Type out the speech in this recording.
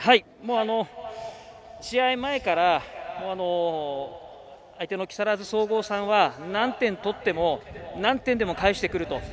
試合前から相手の木更津総合さんは何点取っても何点でも返してくると。